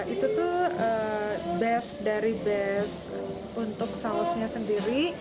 itu tuh dari base untuk sausnya sendiri